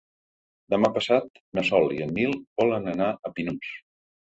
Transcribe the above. Demà passat na Sol i en Nil volen anar a Pinós.